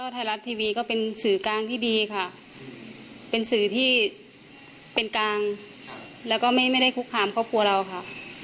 ไทยรัฐทีวีก็เป็นสื่อกลางที่ดีค่ะเป็นสื่อที่เป็นกลางแล้วก็ไม่ได้คุกคามครอบครัวเราค่ะ